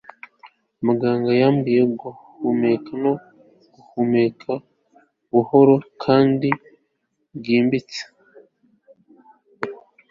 muganga yambwiye guhumeka no guhumeka buhoro kandi byimbitse